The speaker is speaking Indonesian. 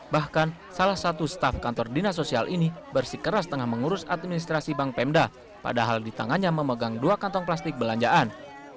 bahkan salah satu staf kantor dinas sosial ini bersikeras tengah mengurus administrasi bank pemda padahal di tangannya memegang dua kantong plastik belanjaan